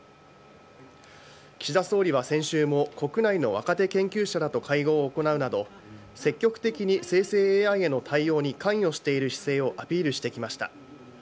岸田総理は先週も、国内の若手研究者らと会合を行うなど、積極的に生成ＡＩへの対応に関与している姿勢をアピールしてきました。